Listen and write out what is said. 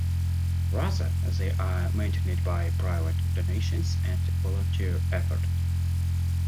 Rather, they are maintained by private donations and volunteer effort.